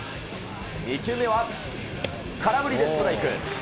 ２球目は空振りでストライク。